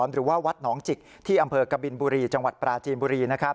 หรือว่าวัดหนองจิกที่อำเภอกบินบุรีจังหวัดปราจีนบุรี